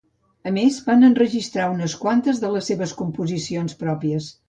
A més, van enregistrar unes quantes de les seves composicions pròpies.